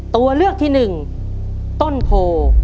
ตัวเลือกที่หนึ่งต้นโพ